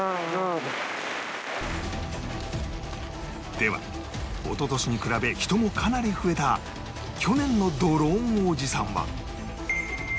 ではおととしに比べ人もかなり増えた去年のドローンおじさんは？